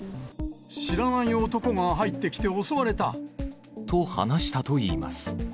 知らない男が入って来て襲わと話したといいます。